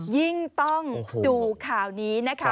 ยิ่งต้องดูข่าวนี้นะคะ